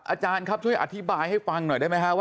อาจารย์ครับช่วยอธิบายให้ฟังหน่อยได้ไหมครับว่า